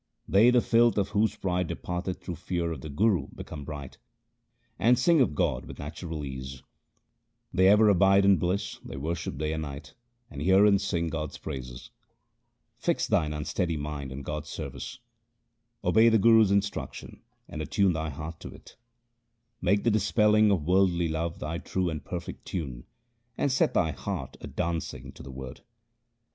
They the filth of whose pride departeth through fear of the Guru become bright, And sing of God with natural ease. They ever abide in bliss, they worship day and night, and hear and sing God's praises. Fix thine unsteady mind on God's service ; Obey the Guru's instruction, and attune thy heart to it ; Make the dispelling of worldly love, thy true and perfect tune, and set thy heart a dancing to the Word.